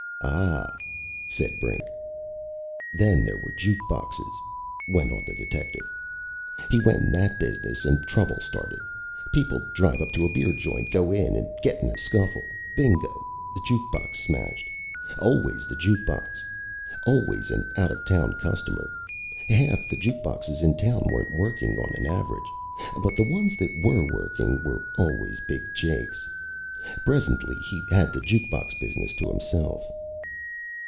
"Ah," said Brink. "Then there were juke boxes," went on the detective. "He went in that business an' trouble started. People'd drive up to a beer joint, go in, get in a scuffle an' bingo! The juke box smashed. Always the juke box. Always a out of town customer. Half the juke boxes in town weren't workin', on an average. But the ones that were workin' were always Big Jake's. Presently he had the juke box business to himself."